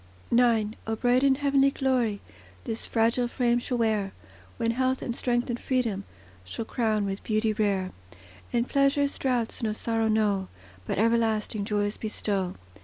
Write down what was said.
IX O bright the heavenly glory, This fragile frame shall wear, When health, and strength, and freedom Shall crown with beauty rare; And pleasure's draughts no sorrow know, But everlasting joys bestow.